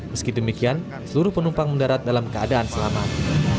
meski demikian seluruh penumpang mendarat dalam keadaan selamat